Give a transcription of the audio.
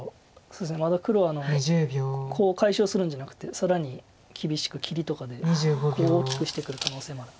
まだ黒はコウを解消するんじゃなくて更に厳しく切りとかでコウを大きくしてくる可能性もある。